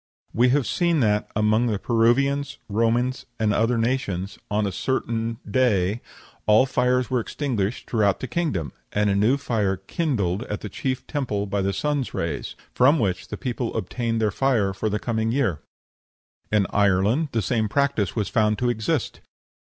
We have seen that among the Peruvians, Romans, and other nations, on a certain day all fires were extinguished throughout the kingdom, and a new fire kindled at the chief temple by the sun's rays, from which the people obtained their fire for the coming year. In Ireland the same practice was found to exist.